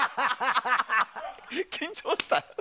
緊張したの？